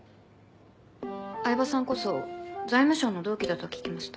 饗庭さんこそ財務省の同期だと聞きました。